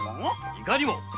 いかにも。